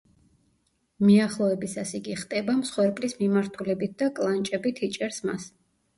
მიახლოებისას იგი ხტება მსხვერპლის მიმართულებით და „კლანჭებით“ იჭერს მას.